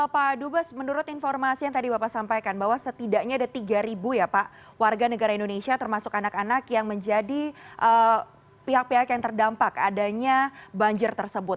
pak dubes menurut informasi yang tadi bapak sampaikan bahwa setidaknya ada tiga ya pak warga negara indonesia termasuk anak anak yang menjadi pihak pihak yang terdampak adanya banjir tersebut